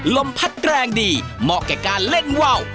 ลมพัดแรงดีเหมาะแก่การเล่นว่าว